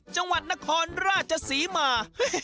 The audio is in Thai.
จังหวัดนครราชศรีมา